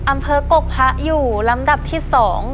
อำเภอกกพระอยู่ลำดับที่๒